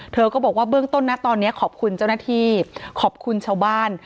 เธอก็บอกว่าเบื้องต้นนะตอนนี้ขอบคุณเจ้าหน้าที่ขอบคุณชาวบ้าน